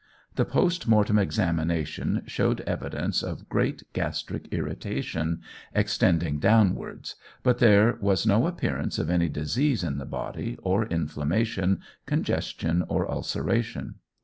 The post mortem examination showed evidence of great gastric irritation, extending downwards, but there was no appearance of any disease in the body, or inflammation, congestion, or ulceration.